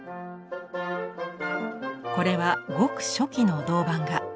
これはごく初期の銅版画。